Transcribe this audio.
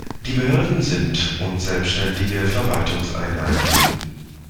Die Behörden sind unselbständige Verwaltungseinheiten.